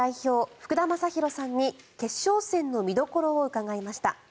福田正博さんに決勝戦の見どころを伺いました。